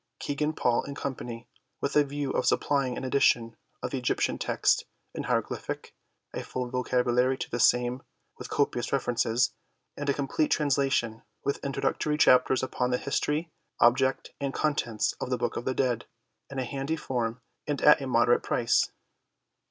Kegan Paul and Co. with a view of supplying an edition of the Egyptian text in hieroglyphic, a full Vocabulary to the same with copious references, and a complete translation, with introductory chapters upon the history, object and contents of the Book of the Dead, in a handy form and at a moderate price.